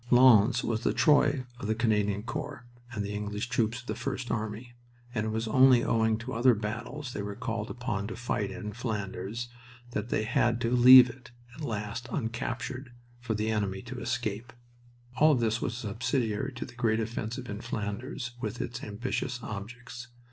Lens was the Troy of the Canadian Corps and the English troops of the First Army, and it was only owing to other battles they were called upon to fight in Flanders that they had to leave it at last uncaptured, for the enemy to escape. All this was subsidiary to the great offensive in Flanders, with its ambitious objects.